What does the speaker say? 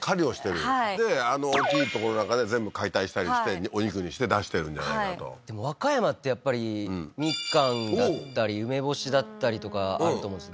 はいであの大きい所なんかで全部解体したりしてお肉にして出してるんじゃないかとでも和歌山ってやっぱりみかんだったり梅干しだったりとかあると思うんです